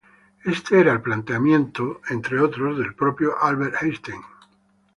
Este era el planteo entre otros del propio Albert Einstein.